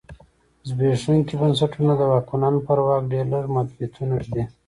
زبېښونکي بنسټونه د واکمنانو پر واک ډېر لږ محدودیتونه ږدي.